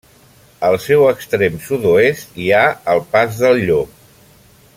Al seu extrem sud-oest hi ha el Pas del Llop.